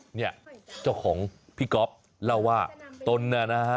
เฮียเธอของพี่กรอบเราร่วมว่าต้นน่ะฮะ